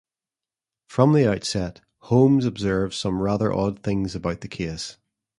From the outset, Holmes observes some rather odd things about the case.